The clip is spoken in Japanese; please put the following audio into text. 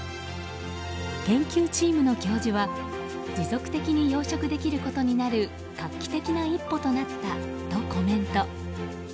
研究チームの教授は持続的に養殖できることになる画期的な一歩となったとコメント。